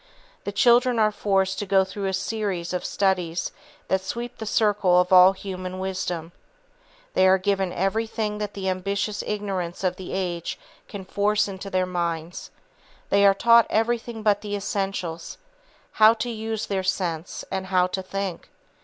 The children are forced to go through a series of studies that sweep the circle of all human wisdom. They are given everything that the ambitious ignorance of the age can force into their minds; they are taught everything but the essentials, how to use their senses and how to think.